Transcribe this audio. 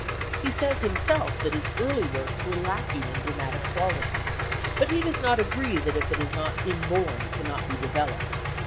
He says himself that his early works were lacking in dramatic quality, but he does not agree that if it is not inborn it cannot be developed.